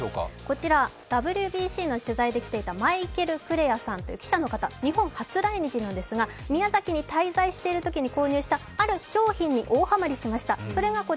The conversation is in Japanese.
ＷＢＣの取材で来ていたマイケル・クレアさんという記者の方、日本初来日なんですが宮崎に滞在しているときに購入したある商品に大ハマりしました。